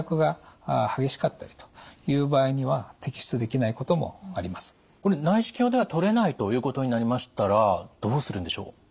これは何と言ってもこれ内視鏡では取れないということになりましたらどうするんでしょう。